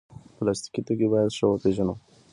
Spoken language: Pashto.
پلاستيکي توکي باید ښه وپیژنو.